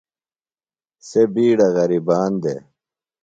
سےۡ بِیڈہ غریبان دے۔